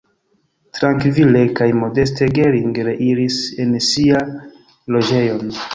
Trankvile kaj modeste Gering reiris en sian loĝejon.